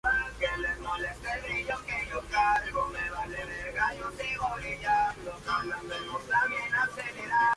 Fue filmada en varios lugares alrededor de Toronto, Ontario, Canadá.